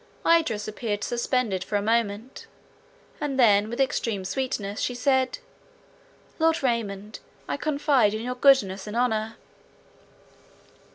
Idris appeared suspended for a moment, and then with extreme sweetness, she said, "Lord Raymond, I confide in your goodness and honour."